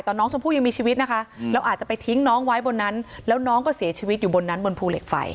แต่น้องชมพู่ยังมีชีวิตนะคะแล้วอาจจะไปทิ้งน้องไว้บนนั้นแล้วน้องก็เสียชีวิตอยู่บนนั้นบนภูเหล็กไฟ